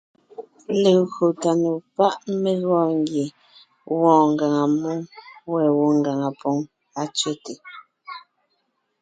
Legÿo tà nò pá’ mé gɔɔn ngie wɔɔn ngàŋa mmó, wὲ gwɔ́ ngàŋa póŋ á tsẅέte.